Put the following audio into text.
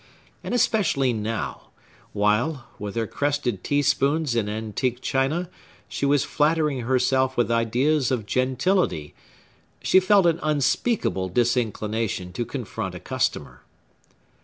And especially now, while, with her crested teaspoons and antique china, she was flattering herself with ideas of gentility, she felt an unspeakable disinclination to confront a customer.